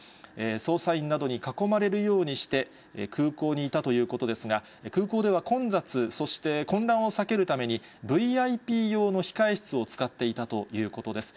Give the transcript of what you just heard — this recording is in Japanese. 捜査員などに囲まれるようにして、空港にいたということですが、空港では混雑、そして混乱を避けるために、ＶＩＰ用の控え室を使っていたということです。